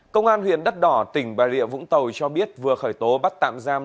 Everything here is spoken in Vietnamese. công an huyện đất đỏ tỉnh bà rịa vũng tàu cho biết vừa khởi tố bắt tạm giam